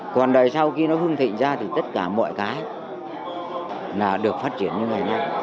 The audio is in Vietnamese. còn đời sau khi nó hưng thịnh ra thì tất cả mọi cái là được phát triển như ngày nay